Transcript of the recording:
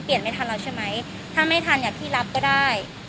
ไม่ทันแล้วใช่ไหมถ้าไม่ทันเนี่ยพี่รับก็ได้